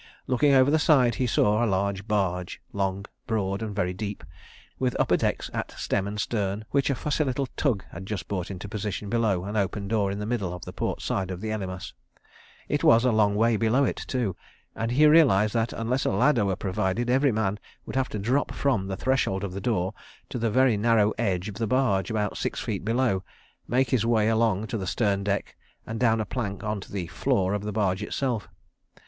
Looking over the side he saw a large barge, long, broad, and very deep, with upper decks at stem and stern, which a fussy little tug had just brought into position below an open door in the middle of the port side of the Elymas. It was a long way below it too, and he realised that unless a ladder were provided every man would have to drop from the threshold of the door to the very narrow edge of the barge about six feet below, make his way along it to the stern deck, and down a plank on to the "floor" of the barge itself.